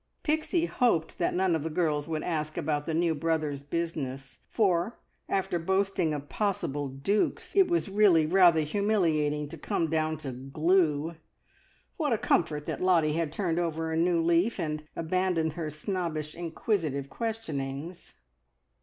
Pixie hoped that none of the girls would ask about the new brother's business; for, after boasting of possible dukes, it was really rather humiliating to come down to glue! What a comfort that Lottie had turned over a new leaf, and abandoned her snobbish, inquisitive questionings!